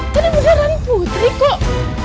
tadi mudah ramputri kok